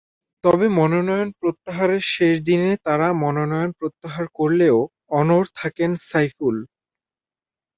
তবে মনোনয়ন প্রত্যাহারের শেষ দিনে তাঁরা মনোনয়ন প্রত্যাহার করলেও অনড় থাকেন সাইফুল।